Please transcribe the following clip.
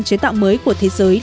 chế tạo mới của thế giới